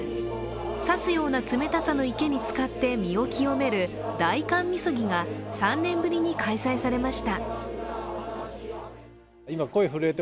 刺すような冷たさの池につかって身を清める大寒禊が３年ぶりに開催されました。